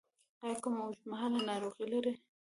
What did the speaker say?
ایا کومه اوږدمهاله ناروغي لرئ؟